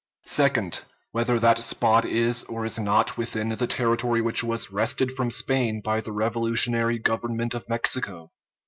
Second. Whether that spot is or is not within the territory which was wrested from Spain by the revolutionary government of Mexico.